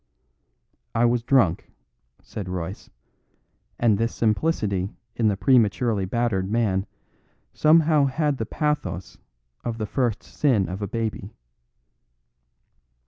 "I was drunk," said Royce; and this simplicity in the prematurely battered man somehow had the pathos of the first sin of a baby.